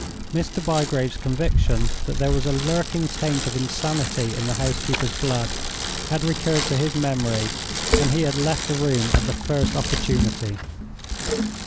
Mr. Bygrave's conviction that there was a lurking taint of insanity in the housekeeper's blood had recurred to his memory, and he had left the room at the first opportunity.